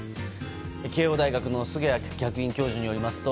慶応大学の菅谷客員教授によりますと